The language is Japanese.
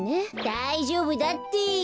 だいじょうぶだって！